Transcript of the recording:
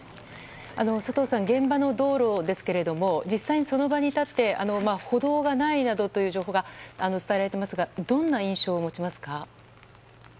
佐藤さん、現場の道路ですが実際にその場に立って歩道がないなどという情報が伝えられていますがどんな印象を持ちますか？